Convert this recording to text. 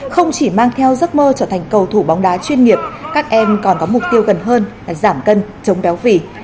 không chỉ mang theo giấc mơ trở thành cầu thủ bóng đá chuyên nghiệp các em còn có mục tiêu gần hơn là giảm cân chống béo phì